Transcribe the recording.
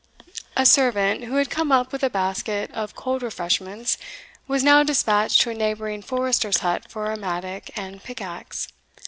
A servant, who had come up with a basket of cold refreshments, was now despatched to a neighbouring forester's hut for a mattock and pick axe.